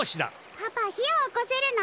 パパ火をおこせるの？